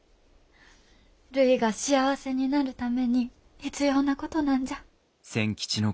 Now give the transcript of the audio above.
るいが幸せになるために必要なことなんじゃ。